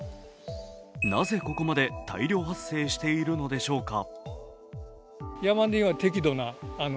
なぜここまで大量発生しているのでしょうか。